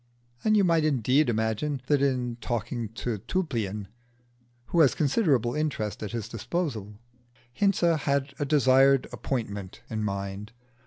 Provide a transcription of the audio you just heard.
And you might indeed imagine that in talking to Tulpian, who has considerable interest at his disposal, Hinze had a desired appointment in his mind.